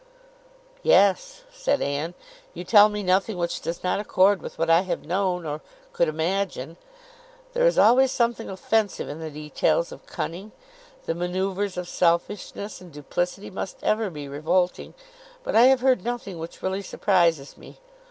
"Yes," said Anne, "you tell me nothing which does not accord with what I have known, or could imagine. There is always something offensive in the details of cunning. The manœuvres of selfishness and duplicity must ever be revolting, but I have heard nothing which really surprises me.